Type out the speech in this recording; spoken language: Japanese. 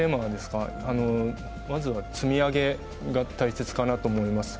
まずは積み上げが大切かなと思います。